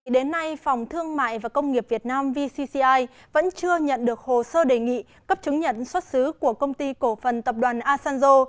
đến nay phòng thương mại và công nghiệp việt nam vcci vẫn chưa nhận được hồ sơ đề nghị cấp chứng nhận xuất xứ của công ty cổ phần tập đoàn asanzo